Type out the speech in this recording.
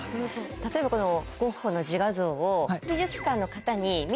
例えばこのゴッホの自画像を。